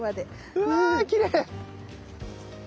うわぁきれい。